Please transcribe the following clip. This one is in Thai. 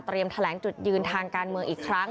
แถลงจุดยืนทางการเมืองอีกครั้ง